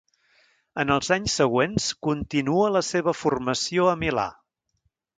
En els anys següents continua la seva formació a Milà.